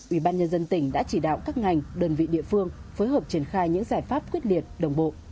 ủy ban nhân dân tỉnh đã chỉ đạo các ngành đơn vị địa phương phối hợp triển khai những giải pháp quyết liệt đồng bộ